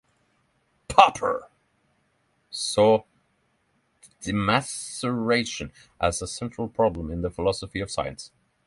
Popper saw demarcation as a central problem in the philosophy of science.